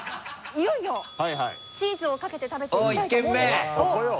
いよいよチーズをかけて食べていきたいと思うんですが。